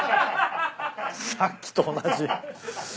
さっきと同じ。